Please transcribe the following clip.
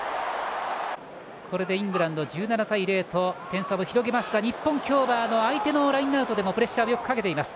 これでイングランド、１７対０と点差を広げましたが日本、今日は相手のラインアウトでもプレッシャーをよくかけています。